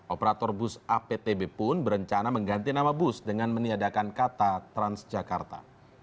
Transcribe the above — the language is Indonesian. operator bus aptb pun berencana mengganti nama bus dengan meniadakan kata transjakarta